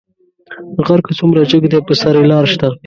غر کۀ څومره جګ دى، پۀ سر يې لار شته.